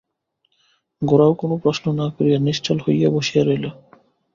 গোরাও কোনো প্রশ্ন না করিয়া নিশ্চল হইয়া বসিয়া রহিল।